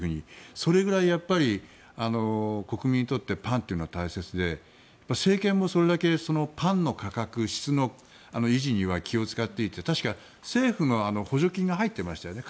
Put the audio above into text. それぐらい、国民にとってパンというのは大切で政権もそれだけパンの価格質の維持には気を使っていて確か政府の補助金が入ってましたよね。